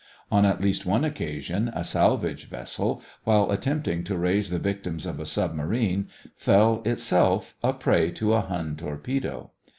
On at least one occasion a salvage vessel, while attempting to raise the victims of a submarine, fell, itself, a prey to a Hun torpedo.